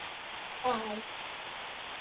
ข่าว !